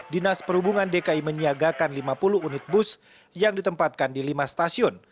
dinas perhubungan dki menyiagakan lima puluh unit bus yang ditempatkan di lima stasiun